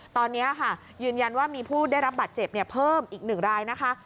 ตอนนี้ค่ะยืนยันว่ามีผู้ได้รับบาดเจ็บเพิ่มอีก๑รายนะคะ